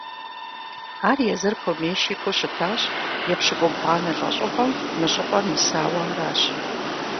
Ар езыр помещикыу щытащ, епщыкӀубгъуанэ лӀэщӀыгъуэм мы щӀыпӀэм исауэ аращ.